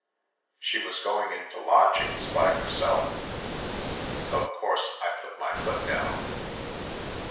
She was going into lodgings by her self. Of course I put my foot down.